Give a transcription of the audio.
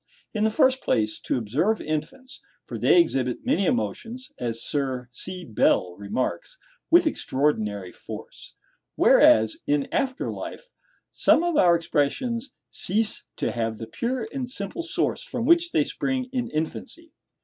In the first place, to observe infants; for they exhibit many emotions, as Sir C. Bell remarks, "with extraordinary force;" whereas, in after life, some of our expressions "cease to have the pure and simple source from which they spring in infancy."